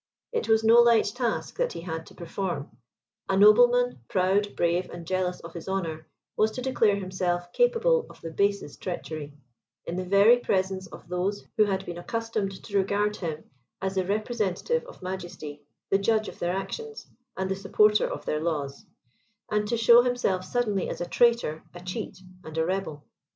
It was no light task that he had to perform: a nobleman, proud, brave, and jealous of his honour, was to declare himself capable of the basest treachery, in the very presence of those who had been accustomed to regard him as the representative of majesty, the judge of their actions, and the supporter of their laws, and to show himself suddenly as a traitor, a cheat, and a rebel.